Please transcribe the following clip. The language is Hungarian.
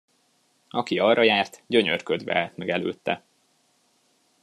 Aki arra járt, gyönyörködve állt meg előtte.